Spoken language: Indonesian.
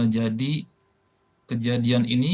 jadi kejadian ini